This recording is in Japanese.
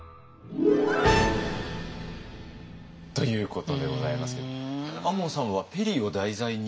ということでございますけども亞門さんはペリーを題材に？